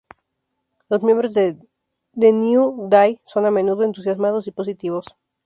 Los miembros de The New Day son a menudo entusiasmados y positivos.